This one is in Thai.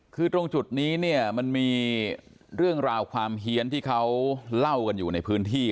คือตรงจุดนี้เนี่ยมันมีเรื่องราวความเฮียนที่เขาเล่ากันอยู่ในพื้นที่